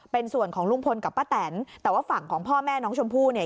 เป็นส่วนของลุงพลกับป้าแตนแต่ว่าฝั่งของพ่อแม่น้องชมพู่เนี่ย